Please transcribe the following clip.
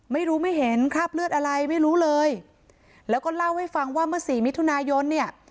ไม่รู้ไม่เห็นคราบเลือดอะไรไม่รู้เลยแล้วก็เล่าให้ฟังว่าเมื่อสี่มิถุนายนเนี่ย